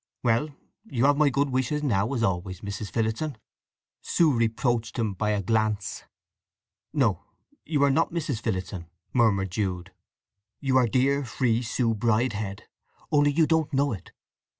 "Well, you have my good wishes now as always, Mrs. Phillotson." She reproached him by a glance. "No, you are not Mrs. Phillotson," murmured Jude. "You are dear, free Sue Bridehead, only you don't know it!